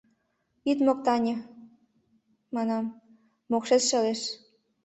— Ит моктане, — манам, — мокшет шелеш...